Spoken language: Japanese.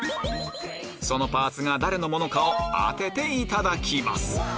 そのパーツが誰のものかを当てていただきます